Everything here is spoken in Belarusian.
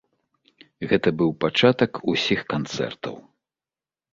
Гэта быў пачатак усіх канцэртаў!